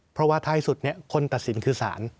เพราะว่าท้ายสุดคนตัดสินคือสาร